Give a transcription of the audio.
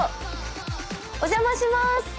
お邪魔します。